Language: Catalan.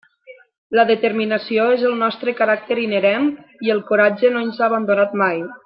La determinació és el nostre caràcter inherent, i el coratge no ens ha abandonat mai.